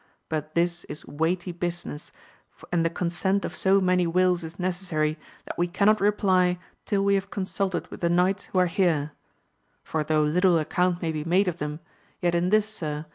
But this is a weighty business, and the consent of so many wills is necessary, that we cannot reply till we have con sulted with the knights who are here ; for though little account may be made of them, yet in this, sir, 248 AMADIS OF GAUL.